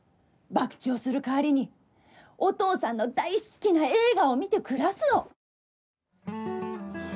ばくちをする代わりにお父さんの大好きな映画を見て暮らすの。